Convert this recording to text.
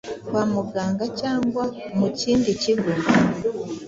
kwa muganga cyangwa mu kindi kigo